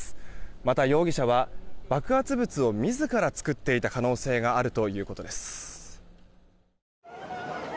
また容疑者は爆発物を自ら作っていた可能性があるということです。